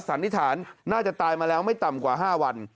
สันนิษฐานน่าจะตายมาแล้วไม่ต่ำกว่า๕วัน